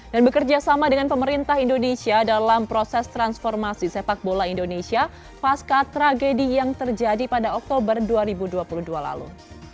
dan bekerjasama dengan pemerintah indonesia dalam proses transformasi sepak bola indonesia pasca tragedi yang terjadi pada oktober dua ribu dua puluh dua lalu